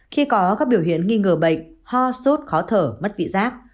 khi có các biểu hiện nghi ngờ bệnh ho sốt khó thở mất vị giác